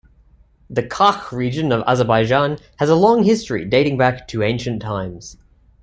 The Qakh region of Azerbaijan has a long history dating back to ancient times.